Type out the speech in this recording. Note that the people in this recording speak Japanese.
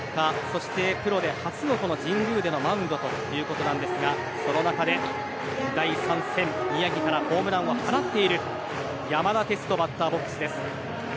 そして、プロで初の神宮でのマウンドとなるんですがその中で第３戦、宮城からホームランを放っている山田哲人がバッターボックスです。